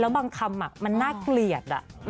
บางคำมันน่าเกลียด